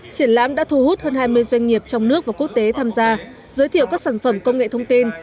triển lãm đã thu hút hơn hai mươi doanh nghiệp trong nước và quốc tế tham gia giới thiệu các sản phẩm công nghệ thông tin